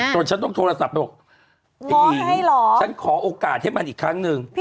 ตอนฉันต้องโทรศัพท์บอกพี่หญิงฉันขอโอกาสให้มันอีกครั้งนึง